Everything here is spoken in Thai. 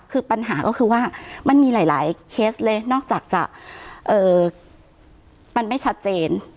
คือปัญหาก็คือว่ามันมีหลายเคสเลยนอกจากจะมันไม่ชัดเจน